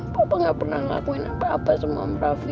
papa gak pernah ngakuin apa apa sama om raffi